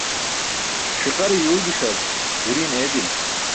Ṣiqare yuwlgiṣar guriin eedili.